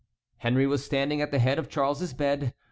Henry was standing at the head of Charles's bed.